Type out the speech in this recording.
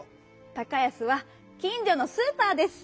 「高安」はきんじょのスーパーです。